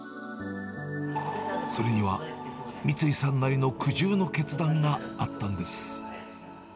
それには、三井さんなりの苦渋の決断があったんです。